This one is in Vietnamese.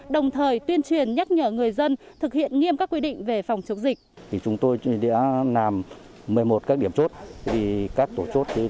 đồng thời tuyên truyền nhắc nhở người dân thực hiện nghiêm các quy định về phòng chống dịch